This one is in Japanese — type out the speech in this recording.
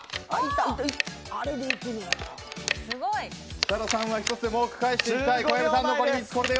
設楽さんは１つでも多く返していきたい。